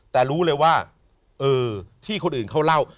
แต่รู้เลยว่าเออที่คนอื่นเขาเล่า